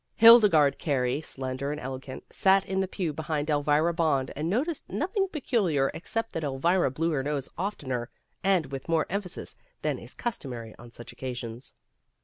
Hildegarde Carey slender and elegant, sat in the pew behind Elvira Bond, and noticed nothing peculiar ex cept that Elvira blew her nose of tener and with more emphasis than is customary on such oc casions.